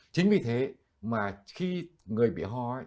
chính vì thế mà khi người bị ho